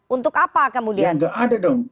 untuk apa kemudian